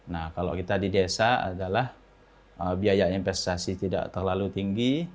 nah kalau kita di desa adalah biaya investasi tidak terlalu tinggi